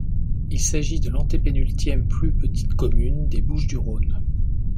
Il s'agit de l'antépénultième plus petite commune des Bouches-du-Rhône.